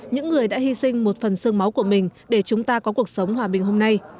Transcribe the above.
những người đã hy sinh một phần sương máu của mình để chúng ta có cuộc sống hòa bình hôm nay